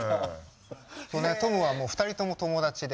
トムはもう２人とも友達で。